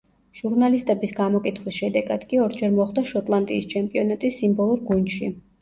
ჟურნალისტების გამოკითხვის შედეგად კი ორჯერ მოხვდა შოტლანდიის ჩემპიონატის სიმბოლურ გუნდში.